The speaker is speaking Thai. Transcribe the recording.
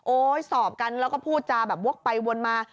สอบกันแล้วก็พูดจาแบบวกไปวนมา